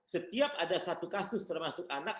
setiap ada satu kasus termasuk anak